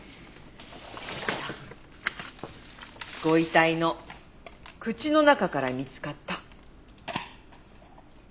それからご遺体の口の中から見つかった微物。